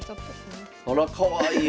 あらかわいい！